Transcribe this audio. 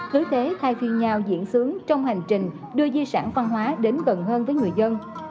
cứ thế thay phiên nhau diễn sướng trong hành trình đưa di sản văn hóa đến gần hơn với người dân